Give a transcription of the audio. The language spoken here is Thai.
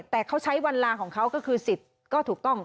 แต่เขาใช้วันลาของเขาก็คือสิทธิ์ก็ถูกต้อง